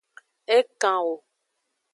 E kan wo.